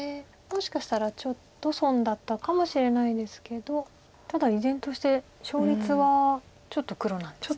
もしかしたらちょっと損だったかもしれないですけどただ依然として勝率はちょっと黒なんですね。